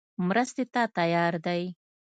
مرستې ته تیار دی.